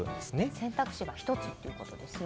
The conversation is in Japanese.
選択肢が１つということですね。